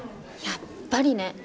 やっぱりね。